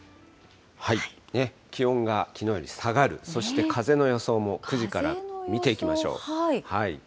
気温がきのうより下がる、そして風の予想も９時から、見ていきましょう。